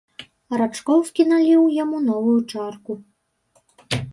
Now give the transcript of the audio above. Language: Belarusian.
Рачкоўскі наліў яму новую чарку.